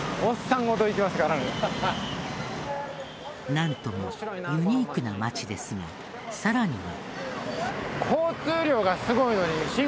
なんともユニークな街ですがさらには。